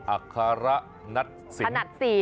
อัคระนัดสิน